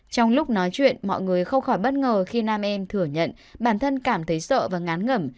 trong lúc nói chuyện mọi người không khỏi bất ngờ khi nam em thừa nhận bản thân cảm thấy sợ và ngán ngẩm